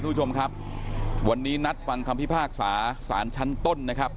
คุณผู้ชมครับวันนี้นัดฟังคำพิพากษาสารชั้นต้นนะครับ